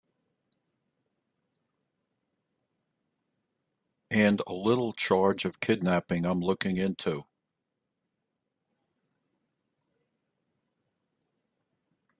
And a little charge of kidnapping I'm looking into.